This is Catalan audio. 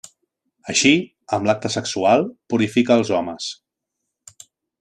Així, amb l'acte sexual purifica als homes.